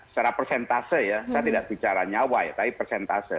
secara persentase ya saya tidak bicara nyawa ya tapi persentase